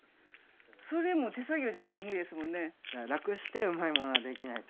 それもう手作業じゃないと無理ですもんね。